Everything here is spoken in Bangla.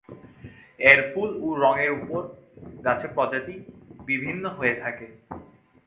এর ফুল ও রঙের উপর গাছে প্রজাতি বিভিন্ন হয়ে থাকে।